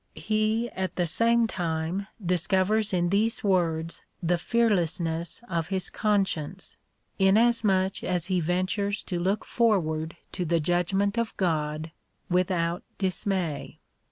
He at the same time discovers in these words the fearlessness of his conscience, inasmuch as he ventures to look forward to the judgment of God without dismay.